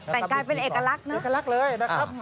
แต่งกายเป็นเอกลักษณ์นะเอกลักษณ์เลยนะครับ